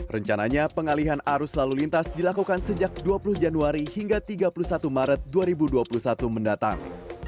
rencananya pengalihan arus lalu lintas dilakukan sejak dua puluh januari hingga tiga puluh satu maret dua ribu dua puluh satu mendatang